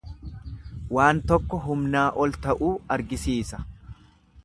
Waan tokko humnaa ol ta'uu argisiisa.